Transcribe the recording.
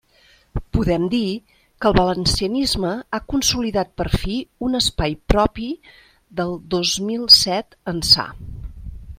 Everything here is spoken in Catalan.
Podem dir que el valencianisme ha consolidat per fi un espai propi del dos mil set ençà.